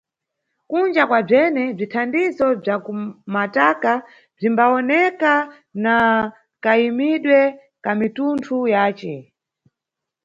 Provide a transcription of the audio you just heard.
Kunja kwabzene, bzithandizo bza ku mataka bzimbawoneka na kayimidwe ka mitunthu yace.